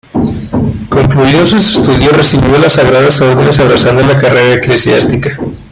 Concluidos sus estudios, recibió las sagradas órdenes, abrazando la carrera eclesiástica.